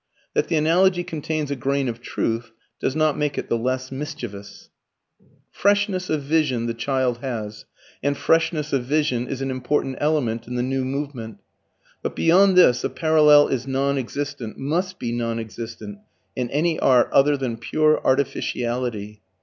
That the analogy contains a grain of truth does not make it the less mischievous. Freshness of vision the child has, and freshness of vision is an important element in the new movement. But beyond this a parallel is non existent, must be non existent in any art other than pure artificiality.